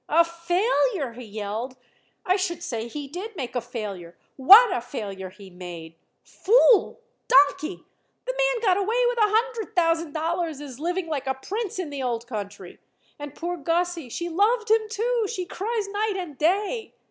"A failure!" he yelled. "I should say he did make a failure. What a failure he made! Fool! Donkey! The man got away with a hundred thousand dollars and is living like a prince in the old country. And poor Gussie, she loved him, too! She cries night and day."